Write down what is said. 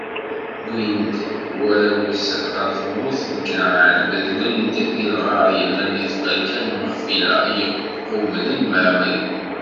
Wwin-t warraw-is ɣer tmurt n Kanɛan, meḍlen-t di lɣar yellan di tferka n Maxfila, i yequblen Mamri.